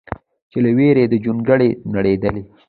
چې له ویرې دې جونګړې نړېدلې